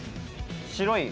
白い